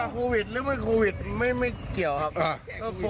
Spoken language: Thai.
โควิดหรือไม่โควิดไม่เกี่ยวครับ